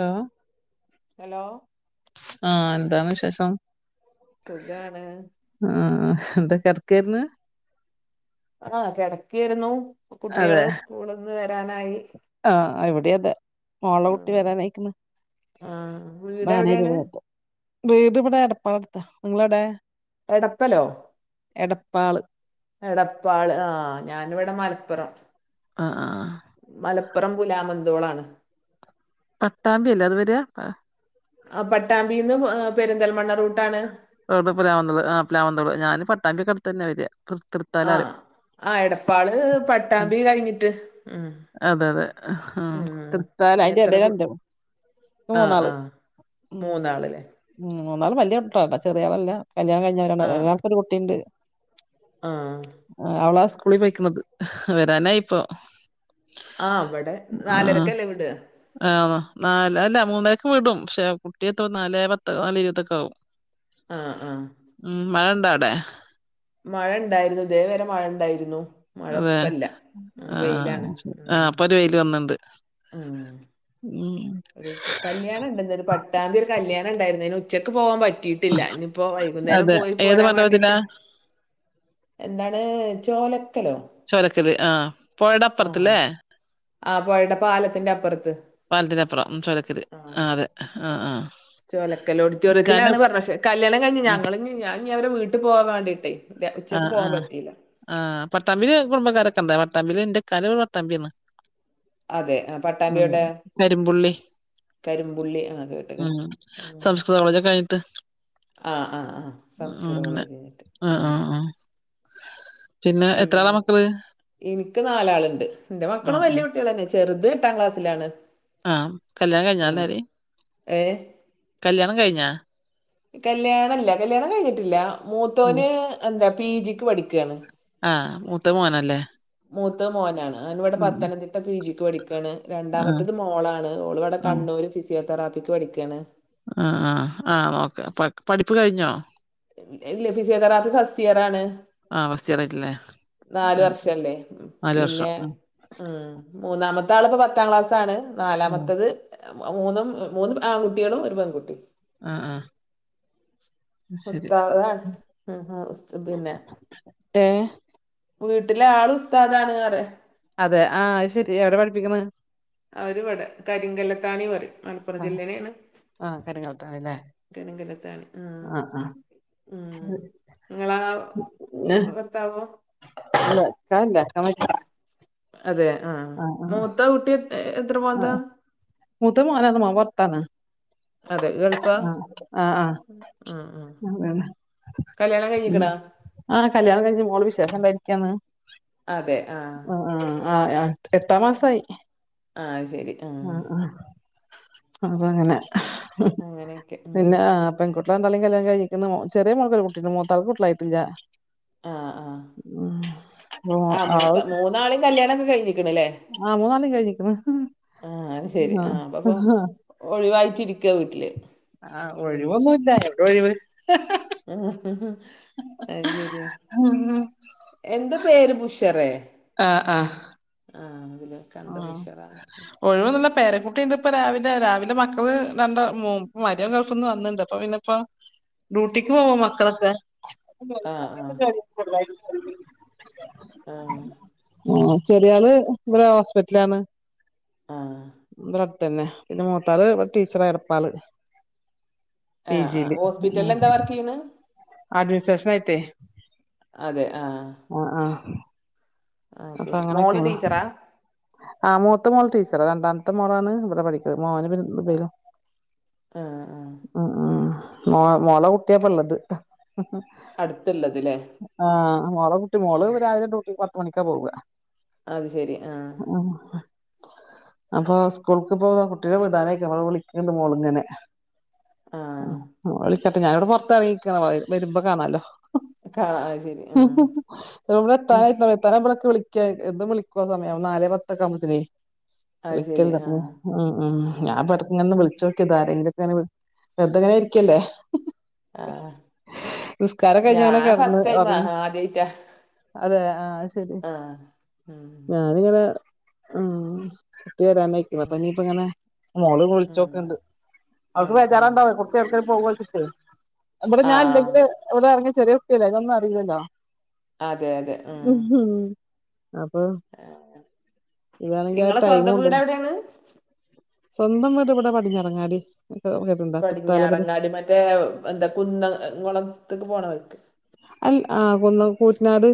Hello hello ആ എന്താണ് വിശേഷം സുഖാണ് ആ എന്താ കറക്കന്ന് ആ കിടക്കിരുന്നു അതെ കുട്ടികള് സ്കൂളിന് വരാനായി ആ ഇവിടെ അതെ മോളെ കുട്ടി ആഹ് വരാനയിക്കന്ന് ആഹ് വീട് മാനേടു എവിടെയാണ് വീട് ഇവിടെ എടപ്പാള എടുത്താ നിങ്ങള എവിട എടപ്പലോ എടപ്പാള് എടപ്പാള് ആ ഞാനിവിടെ മ മലപ്പുറം ആ ആ മലപ്പുറം പുലാമന്തോളാണ് പട്ടാമ്പി അല്ലേ അത് വരയാ ആ പട്ടാമ്പിന്ന് പെരിന്തൽമണ്ണ റൂട്ടാണ് [unintelligible] ഞാന് പട്ടാമ്പെ അടുത്ത് തന്നെ വരി ആ ആ എടപ്പാള് ആ, പട്ടാമ്പി കഴിഞ്ഞിട്ട് ഉം അതെ അതെ ആ ഉം തൃത്താല അതിന്റെ എത്ര കു ഇടയിലണ്ട ആഹ് മൂന്നാള് ആഹ് ഉം മൂന്നാളല്ലേ ഉം മൂന്നാള് വലിയ ഇല്ല ചെറിയളല്ല കല്യാണം കഴിഞ്ഞളാണ് ആഹ് ഒരു കുട്ടിയുണ്ട് ആഹ് ആ അവള സ്കൂളിൽ പോയിക്കണുന്നത് വരാനാ ഇപ്പൊ ആ ഇവിടെ ആ നാലരക്കല്ലേ വിടാ ആ നല് അല്ല മൂന്നാഴ് വിടും പക്ഷെ കുട്ടിയത്തെ നാലേ പത്ത നാല ഇരുപത്തൊക്കെ ആകും ആ ആ അവിടെ മഴ ഉണ്ടായിരുന്നു ഇതദേവരെ മഴ ഉണ്ടായിരുന്നു. അതെ. മഴപ്പല്ല ഉ ആ വെയിലാണ് ശരി. ഉ ആ ഇപ്പൊ ഒരു വെയില് വന്ന്ണ്ട്. ഉ ഉം. ഒരു കല്യാണണ്ട് ഇന്ന് ഒരു പട്ടാംബി ഒരു കല്യാണ ഉണ്ടായിര്ന്ന് അതിന് ഉച്ചക്ക് പോകാൻ പറ്റ പറ്റിയിട്ടില്ല ഇനിയിപ്പോ വൈകുന്നേരം അതെ. പോയി ഏത് പോരാൻ മണ്ഡപത്തിലാ? വാണ്ടിട്ട്. എന്താണ് ചോലക്കലോ. ചുരക്കല് ആ പോയടെ ആ അപ്പർത്ത്ല്ലേ? ആ പൊയടെ പാലത്തിന്റെ അപ്പർത്ത്. പാലറ്റന്റെപ്പറം ചോലക്കല് ആ അതെ ആഹ ആഹ് ചോലക്കൽ ഓഡിറ്റോറിയത്തിലാണ് പറഞ്ഞു പക്ഷെ കല്യാണം കഴിഞ് ആ ഞങ്ങൾഞ്ഞി ഞാഇഞ്ഞി അവരെ വീട്ട് പോവാൻ വാണ്ടിയിട്ടെ ആ ആ ആ പട്ടാമ്പില് കുടുംബക്കാരൊക്കെ ഉണ്ട് ഇന്റെ ഇക്കാന്റെ വീട് പട്ടാമ്പി ആണ് അതെ ആ, ഉ പട്ടാമ്പിയുടെ ഇരുമ്പുള്ളി കരിമ്പുള്ളി ആ കേട്ടിക്കണ് ഉം സംസ്കൃത കോളേജൊക്കെ ആയിട്ട് ആഹ് ആഹ് ആഹ് സംസ്കൃത കോളേജഞിട്ട് ആ ആ ഉം ആ. പിന്നെ പി എത്ര ആളാ മക്കള്? എനിക്ക് നാലാളുണ്ട് എന്റെ ആ മക്കളും ആ. വല്യ കുട്ട്യോളന്നെ ചെറുത് എട്ടാം ക്ലാസ്സിലാണ് ആഹ കല്യാണം കഴിഞ്ഞാല്ലാരിം ഏഹ കല്യാണം കഴിഞ്ഞാ കല്യാണല്ല കല്യാണം കഴിഞ്ഞിട്ടില്ല ആ. മൂത്തോന് എന്താ പി ജി ക്ക് പഠിക്കാണ് ആഹ മൂത്തത് മോനല്ലേ മൂത്ത മോനാണ് ഞാനിവിടെ ഉം. ഉം. പത്തനംതിട്ട പി ജിക്ക് പഠിക്കണ് ആ. രണ്ടാമത്തത് മോളാണ് മോൾ ഇവിടെ കണ്ണൂർ ഫിസിയോതെറാപ്പി ക്ക് പഠിക്കാണ് ആഹ ആ ആ നോക്ക പഠിപ്പ് കഴിഞ്ഞോ? ഫിസിയോ തെറാപ്പി ഫസ്റ്റ് ഇയർ ആണ് ആഹ ഫസ്റ്റിയറായിട്ടില്ലേ നാല് വർഷല്ലേ പിന്നെ ആ. ഉം മൂന്നാമ രാള്പ്പൊ പത്താം ക്ലാസ് ആണ് ആ. നാലാമത്തത് മൂന്നും മൂന്നും ആൺകുട്ട്യോളും ഒരു പെൺകുട്ടിം ആഹ ആഹ ഉസ്താണ് ഹ് ഹ് പിന്നെ ഏ? വീട്ടിലെ ആള് ഉസ്താദാണ് അറിയ അതെ ആഹ അത് ശെരി എവിടെ പഠിപ്പിക്ണ് അവര് വടെ കരിങ്കല്ലത്താണി പറിം മലപ്പുറം ആ. ജില്ലേനെണ് ആ. കരിങ്ങാലത്താണില്ലേ? കരിക്കല്ലത്താണി ആ. ആ. ഉം നിങ്ങളാ ഏ, വർത്താവോ [unintelligible] അതെ ആഹ മുത്ത കുട്ടി എത്ര ആഹ പോന്താ മൂത്ത മോനാണ് മോൻ പൊർത്താണ് അതെ ഗൾഫാ ആഹ ആഹ ആഹ ഉം ഉം അതന്നെ കല്യാണം കഴിഞ്ഞിക്കണാ ഇം കല്യാണം കഴിഞ്ഞ് മോള് വിശേഷം ഇണ്ടായിരിക്കാന്ന് അതെ ആഹ എട്ടാ മാസമായി ആഹ ശെരി ആഹ അപ്പങ്ങനെ അങ്ങനെയൊക്കെ ഉം. പിന്നെ പെകുട്ടി രണ്ടാ ളിം കല്യാണം കഴിഞ്ഞ്ക്ണ് ചെറിയ മോൾക്ക് ഒരു കുട്ടി ഇണ്ട് മൂത്താൾക്ക് കുട്ട്യാളായിട്ടില്ലാ ആഹ ആഹ മോ ആ മൂത്ത മൂന്നാളിം കല്യാണക്കെ കഴിഞ്ക്ക്ണ് ല്ലേ ആഹ മൂന്നാ ളിം കഴിഞ്ഞിക്ണ് ആഹ അത് ശെരി ആഹ് അപ്പപ്പ ഒഴിവായിട്ടിരിക്ക വീട്ടില് ആഹ് ഒഴിവൊന്നുല്ല [unintelligible] ഒഴിവ് ഉഹ്ഹ്. അത് ശരിയ എന്റെ പേര് ബുഷറേ ആഹ ആഹ ആ അതില് ആ കണ്ട ബുഷറാണ് ഒഴിവൊന്നുല്ല പേരക്കുട്ടിണ്ട് ഇപ്പ രാവിലെ രാവിലെ മക്കള് രണ്ട മ മരോൻ ഗൾഫ്ന്ന് വന്നിണ്ട് അപ്പൊ പിന്നെ ഇപ്പോ ഡ്യൂട്ടിക്ക് പോവോ മക്കളൊക്കെ ആ ആ ആഹ ആ ചെടിയാല് ഇവിടെ ഹോസ്പിറ്റലാണ് ആ തന്നെ പിന്നെ മൂത്തത് ഇവിടെ ടീച്ചറ എടപ്പാള് ആ പി ആ ജി ല് ഹോസ്പിറ്റലിൽ എന്താ വർക്ക് ചെയ്യണ് അഡ്മിനി സറ്റേഷ നായിട്ടെ അതെ ആഹ അപ്പൊ മോള് അങ്ങനൊക്കെയാണ് ടീച്ചറാ ആഹ മൂത്ത മോള് ടീച്ചറ രണ്ടാമത്ത് മത്ത മോളാണ് ഇവിടെ പഠിക്കണ് മോനാണ് പിന്നെ ആ ആ മോ മോള കുട്ടിയാപ്പ ള്ളത് അടുത്തുള്ളത് ല്ലേ ആഹ് ആ മോളെ കുട്ടി മോള് രാവിലെ ഡ്യൂട്ടി പത്ത് മണിക്കാ പോവ അത് ശെരി ആഹ ഉം അപ്പൊ സ്കൂൾക്ക് പ്പോ കുട്ടിയെ വിടാനയ് ക്ക്‌ണ് വിളിക്കണ്ട് മോള് ങ്ങനെ ആ വിളിച്ചട്ടെ ഞാനിവിടെ പുറത്ത്റങ്ങിക്കാണ് വരുമ്പോ കാണാല്ലോ കാണാ അത് ശരി ആഹ് യൗടെ ഉം ത്താനെയ്ക്ക് ണത് വിളിക്ക വിളിക്കയ് ആ സമയംവുമ്പളെയ് നാലെ പത്തൊക്കെകുമ്പഴേ അത് ശരി വിളിക്കലില്ല ഉ ആഹ് ഉ ആ ആ ഞാൻ ആഹ് ആഹ് ബെർദങ്ങനെ വിളിചോക്കിയ ഇക്കതരേങ്കിലൊക്കെ അങ്ങനെ വിളിച്ചു വെറതെങ്ങനെ ആരിക്കല്ലേ ആഹ ഞാൻ കഴിഞ്ഞങ്ങനെ കെടന്ന് ഫസ്റ്റ് ടൈംമാ ഒറങ്ങി ആദ്യയ്റ്റാ അതെ ആഹ അത് ശരി ആഹ ഉം ആ ഹ്മ് കുട്ടി വരാനയ്ക്കുണ് അപ്പൊ ഇനിയിപ്പ ങ്ങനെ മോള് ഉം വിളിച്ചൊക്ക്‌ണ്ട് അവൾക്ക് ആഹ് ആഹ് ബേജാറ്ണ്ടാവേ കുട്ടി യൗട്ക്കേലും പോകോച്ചിട്ടേ ഇവിടെ ഞാാൻ ആഹ് ഇല്ലെങ്കില് ഇവിടെ ഇറങ്ങിയ ചെറിയ കുട്ടിയല്ലേ തൊന്നും അറീല്ലല്ലോ അതെ അതെ ഉം ഉ അപ്പൊ ഇതാണെങ്കി ആ ഇങ്ങളെ സ്വന്തം ടൈമുണ്ട് വീട് എവിടേണ് സ്വന്തം വീട് ഇവിടെ പടിഞ്ഞാറങ്ങാടി കേട്ടിട്ടുണ്ടോ തൃത്താലപടി പടിഞ്ഞാറങ്ങാടി മറ്റേ എന്താ കുന്ന കുളത്ത്ക്ക് പോണ വയിക്ക് ആഹ കുന്ന കൂറ്റനാട്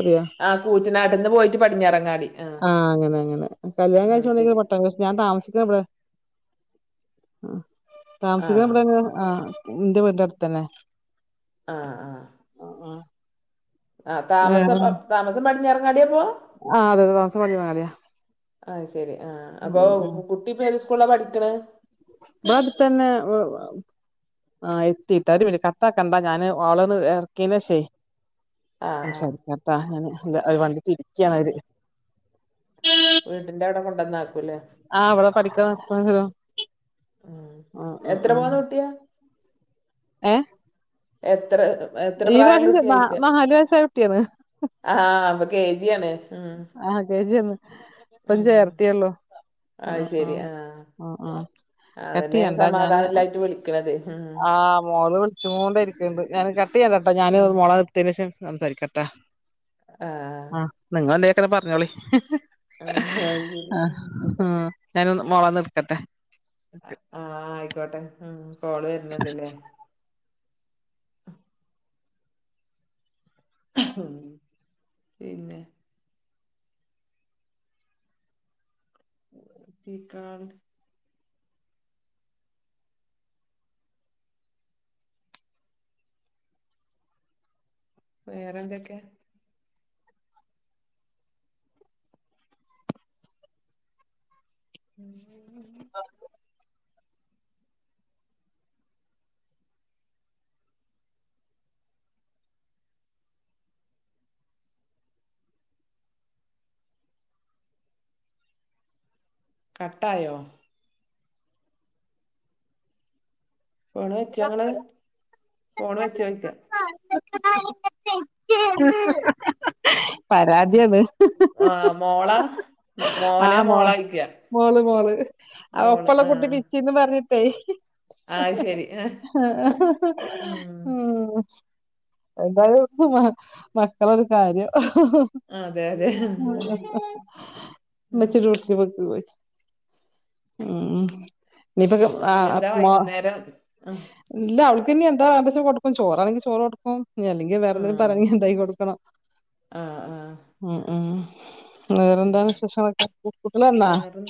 അറിയോ ആഹ് കൂറ്റനാട്ട്ന്ന് പോയിട്ട് പടിഞ്ഞാറങ്ങാടി ആഹ് ആ അങ്ങനെ അങ്ങനെ കല്യാണം ആഹ് കാഴ്ച്ച് കൊണ്ടെയ്ക്ക്ണ് ശരി കോട്ടം പക്ഷേ ഞാൻ താമസിക്കണ ഇബടെ താമസിക്കണേ ആഹ് ഇബടെങ്ങനെ എന്റെ വീടിന്റെട്ത്തന്നെ ആ ആഹ ആ താമസം താമസം പടിഞ്ഞിറങ്ങാടിയപ്പോ ആഹ് അതെ അതെ താമസം പടിഞ്ഞാറങ്ങാടിയ ആഹ് ശെരി ആഹ അപ്പൊ കുട്ടിപ്പൊ ഏത് സ്കൂളില പഠിക്ക്ണ് ഇവ്ടെ അട്തന്നെ ഓ ആ എത്തി താ പോ കട്ടാക്കണ്ട ഞാന് ഓളന്ന് ഇറക്കിനെ ഷെയ് ആഹ് ആഹ് സംസാരിക്കാം കേട്ടാ ഞ എ അത് വണ്ടി തിരിക്കാണത് വീട്ടിന്റെ അവിടെ കൊണ്ടുവന്നക്കാ ആഹ വിടെ പഠിക്കാണങ്കിലോ എത്ര പോന്ന കുട്ടിയാ ഏ എത്ര എത്ര ഈ പ്രായള്ള പ്രാവശ്യംന്താ നാല് വയസായ കുട്ടിയാണ് ആഹ പ്പ കെജിയാണ് ആ [unintelligible] ഉം ഇപ്പംചെർ ത്തേള്ളൂ ആ അത് ആ ശെരി ആഹ് ആ ആ എത്തി അതന്നെ എന്താ ഞാന് സമാധാനല്ലായിട്ട് വിളിക്കണത് ഉം ആഹ മോൾ വിളിച്ച്കൊണ്ട് ണ്ട് ഞൻ കട്ട യ്യെല്ലട്ടാ ഞാന് ഉം മോളെ ഇട്തേൻ ശേഷം സംസാരിക്കാംട്ടാ ആഹ നിങ്ങള് എന്തേലേകേ പറഞ്ഞോളി ആഹ് അത് ശരി ആ ഞാൻന്ന മോളെന്ന് ഇടുക്കട്ടെ. ആ ആയിക്കോട്ടെ ഉം കോൾ വരുന്ന ണ്ടല്ലേ പിന്നെ [unintelligible] വെറെ എന്തൊക്കെ ഉം [inaudible] കട്ടായോ ഫോണ് വെചോങ്ങള് ഫോണ് വെചോയിക്കാ അ അ ആ മോള പരാതിയണ് മോ- ആ മോനെ മോ മോളായിക്ക മോള് മോള് മോള് ഒപ്പല്ല ആ കുട്ടി പിച്ചിന്ന്പറഞ്ഞ ആ ശരി ആ [unintelligible] ഉം എന്തായാലും മക്കളൊരു കാര്യം അതെ അതെ ഹ് [unintelligible] ഉം നിപ്പൊ ആ ഇനി എന്താ പ്പ്മ വൈകുന്നേരം ആ ഇല്ല അവ പിന്നെഞാഎന്താച്ച കൊടുക്കും ചോറാണങ്കിൽ ചോറ് കൊടുക്കും അല്ലെങ്കി വേറെ ആ എന്തെങ്കിലും പറങ്ങി ഉണ്ടായി കൊടുക്കണം. ആ ഉം ഉം വേറെന്താണ് വിശേഷങ്ങളൊക്കെ കുട്ടികള് വന്നാ വേറെഞ്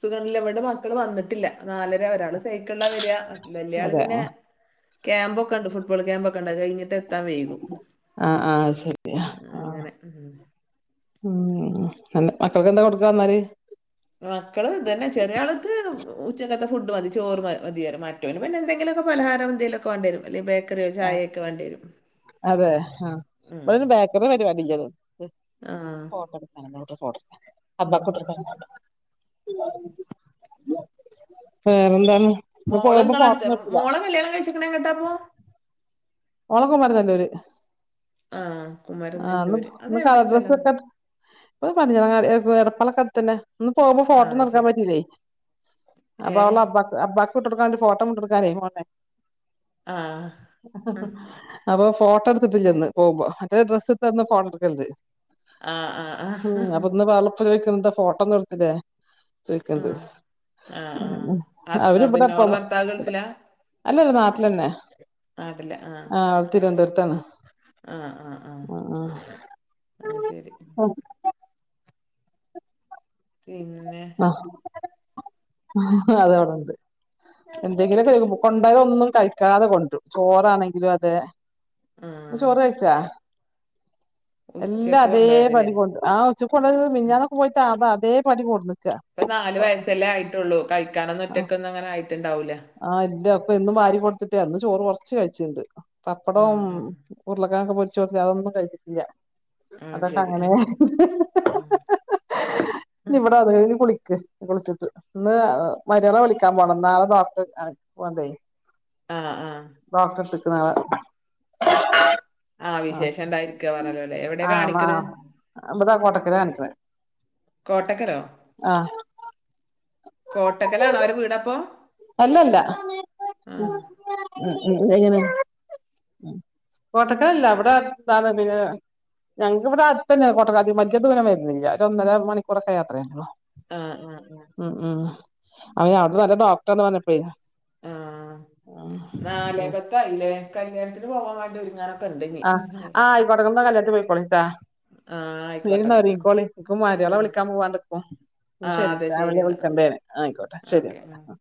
സുഖല്ലേവിടെ മക്കള് വന്നിട്ട് ല്ല നാലര ഒരാള് സൈക്കിളാ വരാ വല്യള് അതെ പിന്നെ ക്യാമ്പൊക്കണ്ട് ഫട്ബോൾ ക്യാമ്പ് ണ്ട കഴിഞ്ഞിട്ട് എത്താൻ വൈകും, ആഹ് ആഹ് അത് ശരി ആഹ് അങ്ങനെ ഉം മക്കൾക്ക് എന്താ കൊടുക്കാവാന്നാല് മക്കള് ഇതന്നെ ചെറിയ ആൾക്ക് ഉച്ചക്കത്തെ ഫുഡ് മതി ചോറ് മതിയും മറ്റന് പിന്നെ എന്തെിലൊക്കെ പലഹാര എന്തെലുംക്കെ വേണ്ടിരും വല ബേക്കറിയോ ചായയൊക്കെ വേണ്ടി വരും അതെ ആ ഉം. ഇവിടെബേക്കറിയുടെ പരിപാടി ഇല്ല [inaudible] ആ വേറെന്താണ് ഇന്ന് പോകുമ്പോ മോളങ്ങള അടുത്ത് ഫോട്ടോന്നും എടുത്തില്ല മോളം കല്യാണം കഴിച്ചിക്കണേ കേട്ടാപ്പൊ ഓളെ മരുന്നല്ലേര് ആ ആ ന്ന് കുമരനെല്ലൂര് ഇന്ന് അതെവിടെ കളർഡ്രസ്സ് സ്ഥലം [unintelligible] സ്കൂളകെ അടുതന്നെ, ഇന്ന് പോകുമ്പോ ആ ഫോട്ടോന്നും ഇട്ൻ ശരി പറ്റില്ലേ, ഏ അപ്പോളെ അബക്ക് അബ ട്ട് കൊടുക്കാണ്ട് ഫോട്ടോ വിട്ടുകൊടുക്കാൻ ആ ആ അപ്പൊ, ഫോട്ടോ എടുത്തിട്ട്ലന്ന് പോകുമ്പോ മറ്റേ ഡ്രസ്സ്ട്ടന്ന് ഫോട്ടോ എടുക്കലുണ്ട് ആ ആ ആ ഉം അപ്പൊന്ന് ഓളെപ്പ ചോയിക്കഫോട്ടോ ഒന്നും കൊടുത്തില്ലേ ചേയിക്ക്ണത് ആ ആ ആ. ഹസ്- ആ, പിന്നെ അവരിവിടെപ്പോ ഓളെ ഭർത്താവ് ഗൾഫിലാ അല്ലല്ല നാട്ടിലന്നെ ആയിട്ടില്ല ആ [unintelligible] ആഹ ആഹ് ആഹ ഉം, അ ശരി ഉം. പിന്നെ ആ അത് അവിടെണ്ട് എന്തെങ്കിലും പേരിന് കൊണ്ടായത് ഒന്നും കഴിക്കാതെ കൊണ്ടരും ചോറാണെങ്കിലും അതെ ആ ചോറ് കഴിച്ച എല്ലാ ഉച്ചക്ക് അതേ കൊണ്ടോയതല്ലേ പടി കൊണ്ട് ആ ഉച്ചക്ക് കൊണ്ടവരുന്നത് മിഞ്ഞിഞ്ഞാന്ന് പോയിട്ട് അതാ അതേ പടി കൊട് ഇപ്പം, നല് വയസല്ലേ ആയിട്ടുള്ളൂ, കഴിക്കാനെന്നും ഒറ്റക്ക് ഒന്നും അങ്ങനെ ആയി ആ ഇല്ല ഇപ്പം എന്നും വാരി കൊടുത്തിട്ടേ, ഇന്ന് ചോറ് കുറച്ച് കഴിച്ചിണ്ട് ഉം പപ്പടവും ഉം ഉരുളകിഴങ്ങൊക്കെ പൊരിച്ച് കൊടുത്തിട്ട് അതൊന്നും കഴിച്ചിട്ടില്ല ആ അതൊക്കെ ശരി ആ അങ്ങനേ ഉണ്ട് ആ ഇനി ഇവിടെ അതേ കുളി കുളിച്ചിട്ട് ഇന്ന് മര്മോളെ വിളിക്കാൻ പോണം നാളെ ഡോക്ട കാണി പോണ്ടെ ആ ആ നാളെ ആ വിശേഷം ഉണ്ടായിരിക്ക പറഞ്ഞല്ലോ അല്ലേ എവിടെ ആ മ കാണിക്കണ് അമ്പതാ കോട്ടക്കലാ കാണിക്കുന്നെ കോട്ടക്കലോ കോട്ടക്കലാണോ അവരുടെ വീടപ്പോ അല്ലല്ല ആ ഉ [inaudible] ഉം കോട്ടക്കല് അല്ല ഇവിടെ [unintelligible] പിന്നെ ഞങ്ങക്ക് ഇവിടെ അടുത്ത തന്നെ കോട്ട [unintelligible] അതിക ദൂരം വരുന്നില്ല ഒരു ഒന്നര മണിക്കൂറൊക്കെ യാത്രയ ആ ആ അ അവന് അവിടെത്തെ നല്ല ഡോക്ടർ പറഞ്ഞപ്പോയെ ആ നാലേ പത്ത് ആയില്ലേ കല്ല്യാണത്തിന് പോവാൻ വേണ്ടി ഒരുങ്ങാ ആ ആയിക്കോട്ടെ നിങ്ങള് കല്യാണത്തിന് പോയിക്കൊളിൻ ട്ടാ ആ ആയിക്കോട്ടെ ശെരിന്ന എന്നാ ഒരിങ്ങി ഉം, കോളിൻ എനിക്ക് മരുളെ ആ, വിളിക്കാൻ ഓക്കെ പോവാനുണ്ട് ഇപ്പോ എന്നാ ആ ശരി അതെ രാവിലെ എന്നാ ഉം, വിളിക്കണ്ട് ഞാൻ ആയിക്കോട്ടെ ഓക്കെ ഉം. ശരിയെന്നാ